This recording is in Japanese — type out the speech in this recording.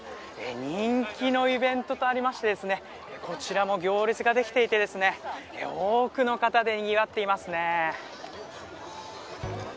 人気のイベントとありましてこちらも行列ができていて多くの方でにぎわっていますね。